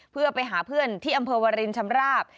เพื่อไปหาเพื่อนที่อำเภอวรินชำราบ